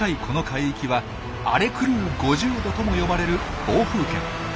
この海域は「荒れ狂う５０度」とも呼ばれる暴風圏。